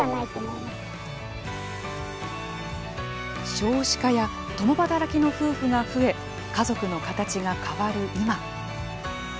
少子化や共働きの夫婦が増え家族の形が変わる今。